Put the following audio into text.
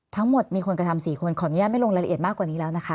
ทั้งหมดมีคนกระทำ๔คนขออนุญาตไม่ลงรายละเอียดมากกว่านี้แล้วนะคะ